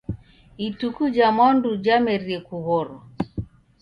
Ituku ja mwandu jamerie kughorwa.